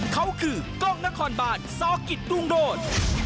เขาคือกล้องนครบานซอกิจรุ่งโดด